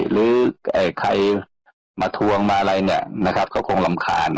หรือเอ่ยใครมาทวงมาอะไรเนี่ยนะครับเขาคงรำคาญ